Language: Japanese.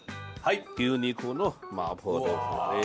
牛肉の麻婆豆腐です。